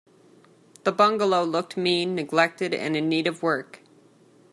The bungalow looked mean, neglected, and in need of work.